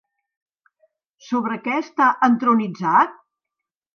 Sobre què està entronitzat?